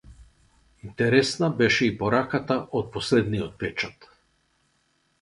Интересна беше и пораката од последниот печат.